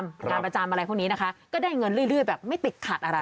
งานประจำอะไรพวกนี้นะคะก็ได้เงินเรื่อยแบบไม่ติดขัดอะไร